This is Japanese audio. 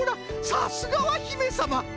さすがはひめさま！